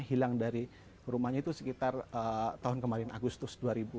hilang dari rumahnya itu sekitar tahun kemarin agustus dua ribu dua puluh